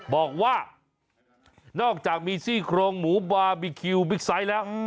บอกว่านอกจากมีซี่โครงหมูบาร์บีคิวบิ๊กไซต์แล้ว